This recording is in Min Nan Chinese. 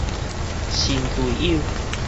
神隊友